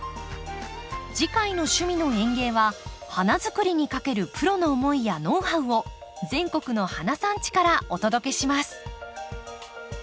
次回の「趣味の園芸」は花づくりにかけるプロの思いやノウハウを全国の花産地からお届けします。